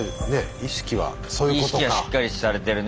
意識はしっかりされてるね。